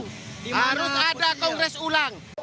harus ada kongres ulang